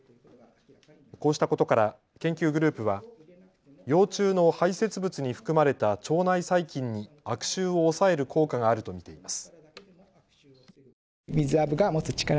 こうしたことから研究グループは幼虫の排せつ物に含まれた腸内細菌に悪臭を抑える効果があると見ています。